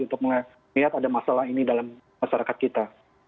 untuk melihat ada masalah ini dalam masyarakat kita